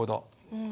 うん。